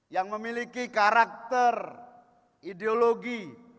yang memiliki karakter ideologi